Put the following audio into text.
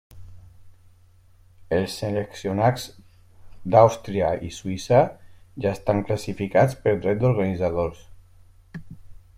Els seleccionats d'Àustria i Suïssa ja estan classificats per dret d'organitzadors.